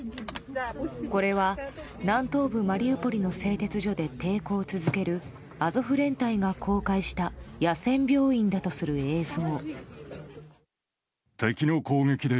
これは、南東部マリウポリの製鉄所で抵抗を続けるアゾフ連隊が公開した野戦病院だとする映像。